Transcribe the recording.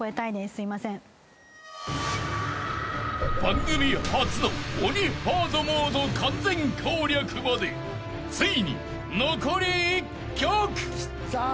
［番組初の鬼ハードモード完全攻略までついに残り１曲］